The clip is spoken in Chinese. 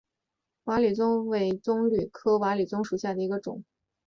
瓦理棕为棕榈科瓦理棕属下的一个种。